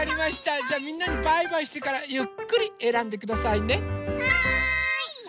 じゃあみんなにバイバイしてからゆっくりえらんでくださいね。